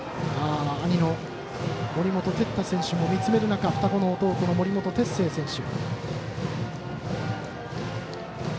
兄の森本哲太選手も見つめる中双子の弟の森本哲星選手。